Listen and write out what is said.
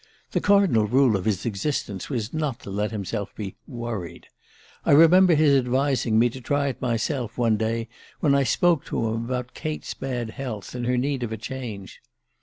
The cardinal rule of his existence was not to let himself be 'worried.' .. I remember his advising me to try it myself, one day when I spoke to him about Kate's bad health, and her need of a change.